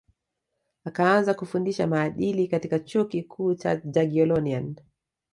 akaanza kufundisha maadili katika chuo kikuu cha jagiellonian